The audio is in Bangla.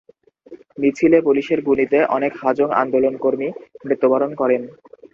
মিছিলে পুলিশের গুলিতে অনেক হাজং আন্দোলন কর্মী মৃত্যুবরণ করেন।